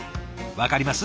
分かります？